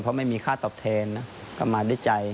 เพราะไม่มีค่าตอบแทนนะก็มาด้วยใจ